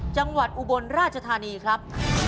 จังหวัดอุบลราชธานีครับ